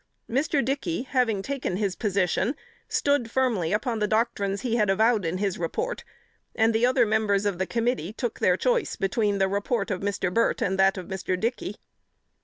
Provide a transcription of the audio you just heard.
Mr. Dickey, having taken his position, stood firmly upon the doctrines he had avowed in his report; and the other members of the committee took their choice between the report of Mr. Burt and that of Mr. Dickey.